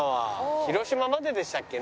広島まででしたっけね？